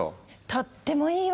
とってもいいわ！